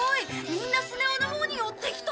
みんなスネ夫のほうに寄ってきた。